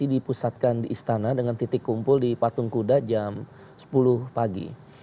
dipusatkan di istana dengan titik kumpul di patung kuda jam sepuluh pagi